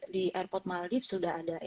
di airport maldive sudah ada